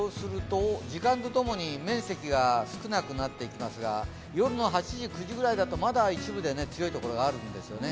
時間とともに面積が少なくなっていきますが夜の８時、９時ぐらいだと、まだ一部で強いところがあるんですよね。